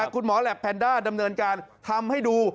คุณหมอแหลปแพนด้าดำเนินการทำให้ดู